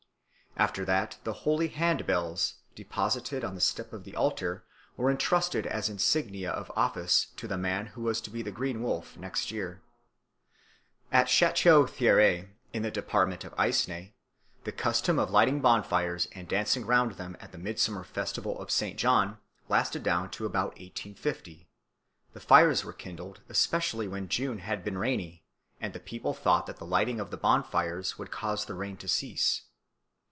After that the holy hand bells, deposited on the step of the altar, were entrusted as insignia of office to the man who was to be the Green Wolf next year. At Château Thierry, in the department of Aisne, the custom of lighting bonfires and dancing round them at the midsummer festival of St. John lasted down to about 1850; the fires were kindled especially when June had been rainy, and the people thought that the lighting of the bonfires would cause the rain to cease.